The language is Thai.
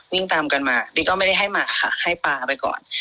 วิ่งตามกันมาบี๊ก็ไม่ได้ให้มาค่ะให้ปลาไปก่อน